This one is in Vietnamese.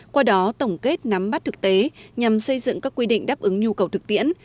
qua đó tổng kết nắm bắt thực tế nhằm xây dựng các quy định đáp ứng nhu cầu thực tiễn